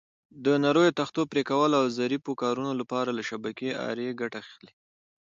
د نریو تختو پرېکولو او ظریفو کارونو لپاره له شبکې آرې ګټه اخلي.